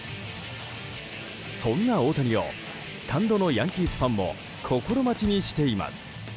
そんな大谷をスタンドのヤンキースファンも心待ちにしています。